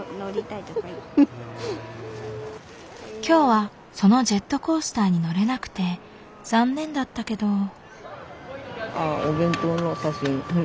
今日はそのジェットコースターに乗れなくて残念だったけど。